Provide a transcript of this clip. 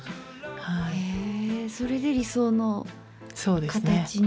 へそれで理想の形に。